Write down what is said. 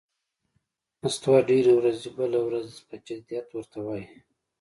نستوه ډېر ورځي، بله ورځ پهٔ جدیت ور ته وايي: